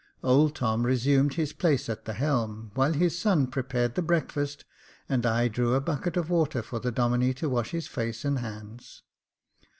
Old Tom resumed his place at the helm, while his son prepared the breakfast, and I drew a bucket of water for the Domine to wash his face and hands.